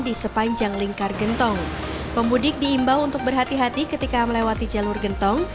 di sepanjang lingkar gentong pemudik diimbau untuk berhati hati ketika melewati jalur gentong